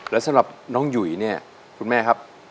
และสำหรับน้องหยุยคุณแม่ครับ